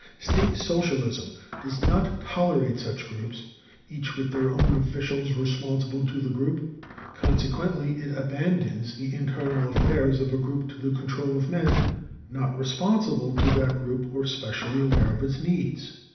State socialism does not tolerate such groups, each with their own officials responsible to the group. Consequently it abandons the internal affairs of a group to the control of men not responsible to that group or specially aware of its needs.